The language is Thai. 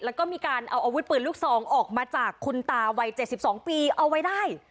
แล้วก็มีการเอาอาวุธปืนลูกซองออกมาจากคุณตาวัย๗๒ปีเอาไว้ได้